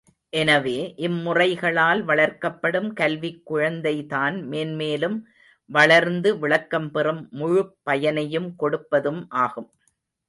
எனவே, இம்முறைகளால் வளர்க்கப்படும் கல்விக் குழந்தைதான் மேன்மேலும் வளர்ந்து விளக்கம் பெறும் முழுப் பயனையும் கொடுப்பதும் ஆகும்.